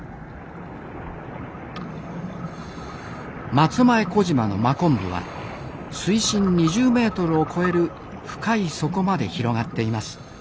松前小島の真昆布は水深２０メートルを超える深い底まで広がっています。